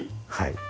はい。